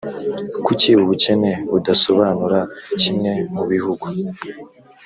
kuki ubukene budasobanura kimwe mu bihugu.